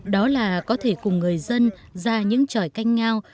đó là có thể cùng người dân ra những tròi canh ngao